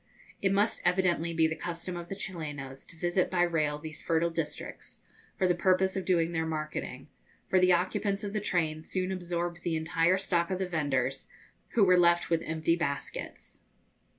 It must evidently be the custom of the Chilenos to visit by rail these fertile districts, for the purpose of doing their marketing; for the occupants of the train soon absorbed the entire stock of the vendors, who were left with empty baskets.